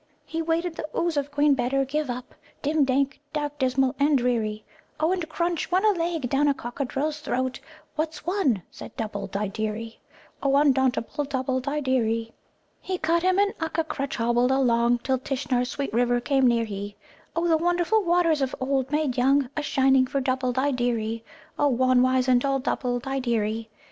"He waded the Ooze of Queen Better Give Up, Dim, dank, dark, dismal, and dreary, O, And, crunch! went a leg down a Cockadrill's throat, 'What's one?' said Dubbuldideery, O, Undauntable Dubbuldideery. "He cut him an Ukka crutch, hobbled along, Till Tishnar's sweet river came near he, O The wonderful waters of 'Old Made Young,' A shining for Dubbuldideery, O, Wan, wizened old Dubbuldideery.